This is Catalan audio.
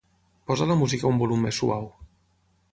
Posa la música a un volum més suau.